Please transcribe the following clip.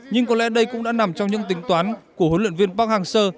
nhưng có lẽ đây cũng đã nằm trong những tính toán của huấn luyện viên park hang seo